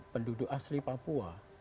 penduduk asli papua